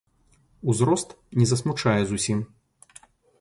Узрост не засмучае зусім.